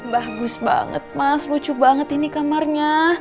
bagus banget mas lucu banget ini kamarnya